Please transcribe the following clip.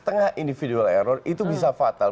tengah individual error itu bisa fatal